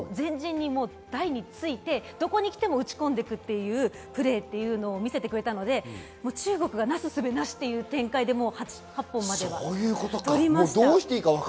台について、どこに来ても打ち込んでいくというプレーを見せてくれたので、中国が為す術なしという展開で８本まで伸びました。